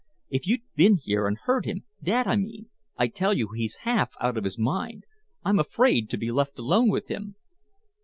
If you'd been here and heard him Dad, I mean I tell you he's half out of his mind! I'm afraid to be left alone with him!"